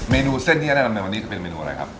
เมนูเส้นที่จะแนะนำในวันนี้จะเป็นเมนูอะไรครับ